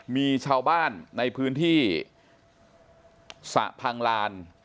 มีชาวบ้านในพื้นที่สระพังลาน